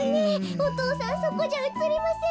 お父さんそこじゃうつりませんよ。